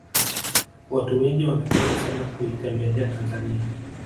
watu wengi wanapenda sana kuitembelea tanzania